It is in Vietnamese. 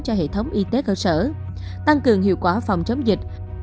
cho hệ thống y tế cơ sở tăng cường hiệu quả phòng chống dịch